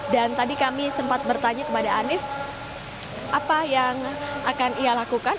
dan tadi kami sempat bertanya kepada anis apa yang akan ia lakukan